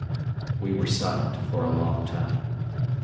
We were silent for a long time.